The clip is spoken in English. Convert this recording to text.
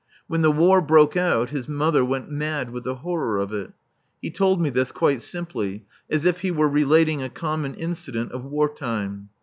When the War broke out his mother went mad with the horror of it. He told me this quite simply, as if he were relating a common incident of war time.